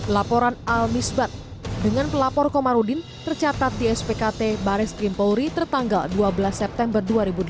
laporan almisbat dengan pelapor komarudin tercatat di spkt baris kripwori tertanggal dua belas september dua ribu delapan belas